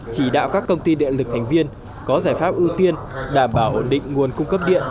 chỉ đạo các công ty điện lực thành viên có giải pháp ưu tiên đảm bảo ổn định nguồn cung cấp điện